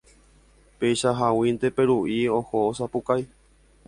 Peichaháguinte Peru'i oho ha osapukái.